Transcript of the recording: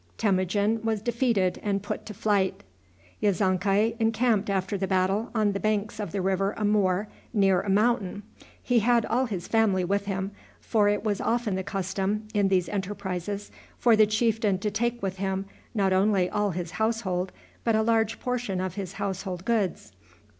Temujin was defeated and put to flight. Yezonkai encamped after the battle on the banks of the River Amoor, near a mountain. He had all his family with him, for it was often the custom, in these enterprises, for the chieftain to take with him not only all his household, but a large portion of his household goods.